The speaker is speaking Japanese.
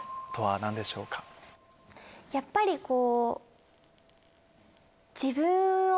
やっぱりこう。